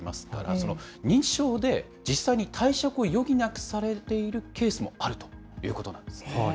その認知症で、実際に退職を余儀なくされているケースもあるということなんですね。